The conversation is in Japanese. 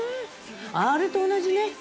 あれと同じね。